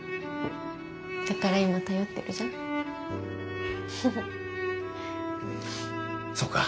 だから今頼ってるじゃん。そうか。